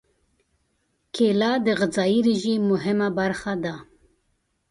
کېله د غذايي رژیم مهمه برخه ده.